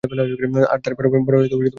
তার বড় ভাই মে মাসে জন্মগ্রহণ করে।